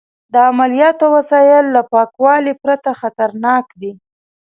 د عملیاتو وسایل له پاکوالي پرته خطرناک دي.